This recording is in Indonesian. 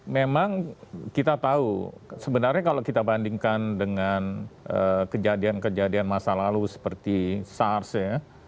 memang kita tahu sebenarnya kalau kita bandingkan dengan kejadian kejadian masa lalu seperti sars ya